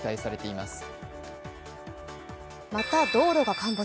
また道路が陥没。